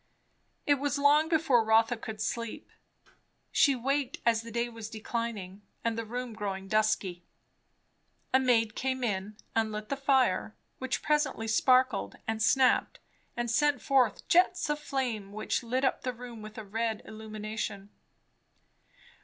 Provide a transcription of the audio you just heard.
It was long before Rotha could sleep. She waked as the day was declining and the room growing dusky. A maid came in and lit the fire, which presently sparkled and snapped and sent forth jets of flame which lit up the room with a red illumination.